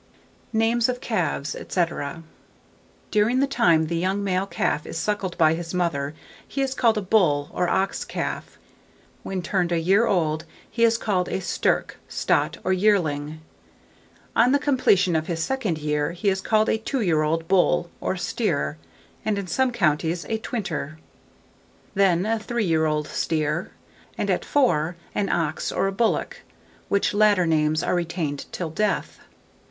NAMES OF CALVES, &c. During the time the young male calf is suckled by his mother, he is called a bull or ox calf; when turned a year old, he is called a stirk, stot, or yearling; on the completion of his second year, he is called a two year old bull or steer (and in some counties a twinter); then, a three year old steer; and at four, an ox or a bullock, which latter names are retained till death.